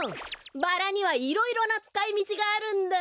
バラにはいろいろなつかいみちがあるんだ。